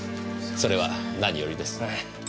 それは何よりです。